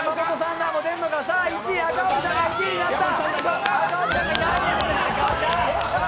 赤荻さんが１位になった！